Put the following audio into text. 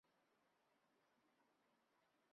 阔柄杜鹃为杜鹃花科杜鹃属下的一个种。